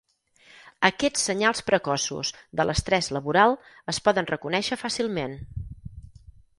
Aquests senyals precoços de l'estrès laboral es poden reconèixer fàcilment.